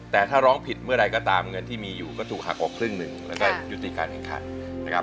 แต่ถ้าร้องผิดเมื่อใดก็ตามเงินที่มีอยู่ก็ถูกหักออกครึ่งหนึ่งแล้วก็ยุติการแข่งขันนะครับ